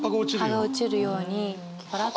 葉が落ちるようにパラッと。